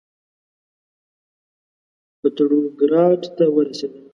پتروګراډ ته ورسېدلم.